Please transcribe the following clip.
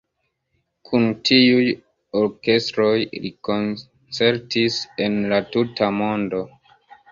Kun tiuj orkestroj li koncertis en la tuta mondo.